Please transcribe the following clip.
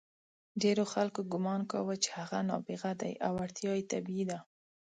ډېرو خلکو ګمان کاوه چې هغه نابغه دی او وړتیا یې طبیعي ده.